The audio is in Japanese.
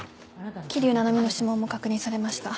桐生菜々美の指紋も確認されました。